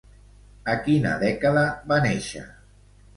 A quina dècada va néixer?